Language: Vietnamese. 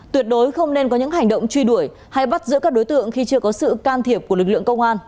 tuyệt đối không nên có những hành động truy đuổi hay bắt giữ các đối tượng khi chưa có sự can thiệp của lực lượng công an